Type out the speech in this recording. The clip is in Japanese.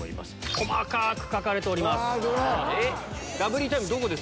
細かく書かれております